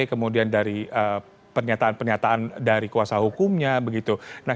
kemudian dari pernyataan pernyataan dari kuasa hukumnya begitu